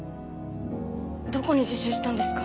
どこに自首したんですか？